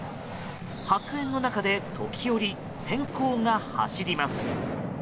白煙の中で時折、閃光が走ります。